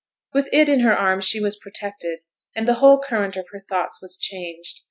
With it in her arms she was protected, and the whole current of her thoughts was changed.